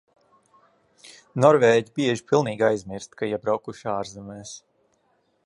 Norvēģi bieži pilnīgi aizmirst, ka iebraukuši ārzemēs.